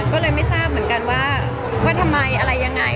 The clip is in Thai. ก็เลยไม่ทราบเหมือนกันว่าทำไมอะไรยังไง